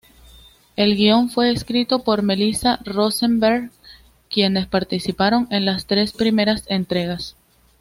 El guion fue escrito por Melissa Rosenberg, quienes participaron en las tres primeras entregas.